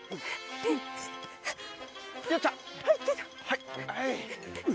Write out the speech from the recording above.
はい。